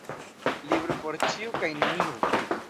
Libro por ĉiu kaj neniu.